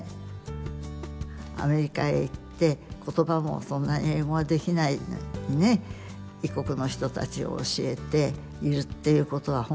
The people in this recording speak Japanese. アメリカへ行って言葉もそんなに英語もできないのにね異国の人たちを教えているっていうことは本当に。